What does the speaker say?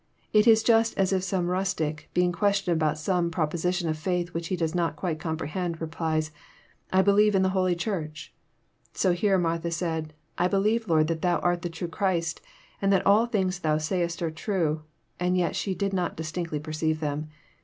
It is just as if some rustic, being questioned about some proposition of faith which he does not quite com prehend, replies, ' I bejieve in the Holy Church.' So here Martha said, ' I believe. Lord, that Thou art the true Christ, and that all things Thou sayest are true ;' and yet she did not distinctly perceive them."